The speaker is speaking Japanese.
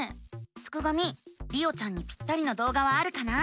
すくがミりおちゃんにぴったりな動画はあるかな？